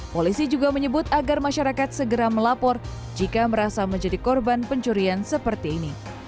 polisi juga menyebut agar masyarakat segera melapor jika merasa menjadi korban pencurian seperti ini